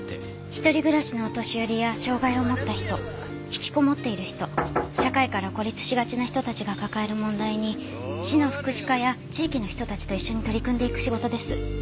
一人暮らしのお年寄りや障害を持った人引きこもっている人社会から孤立しがちな人たちが抱える問題に市の福祉課や地域の人たちと一緒に取り組んでいく仕事です。